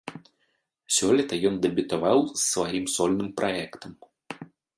Сёлета ён дэбютаваў з сваім сольным праектам.